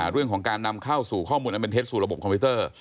เรื่องของการนำเข้าสู่ข้อมูลอันเป็นเท็จสู่ระบบคอมพิวเตอร์